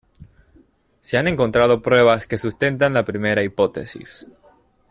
Se han encontrado pruebas que sustentan la primera hipótesis.